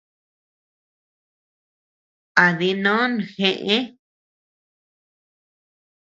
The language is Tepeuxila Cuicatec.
A dinon jeʼe.